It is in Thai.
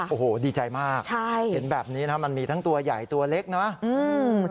โอ้โหดีใจมากใช่เห็นแบบนี้นะมันมีทั้งตัวใหญ่ตัวเล็กเนาะ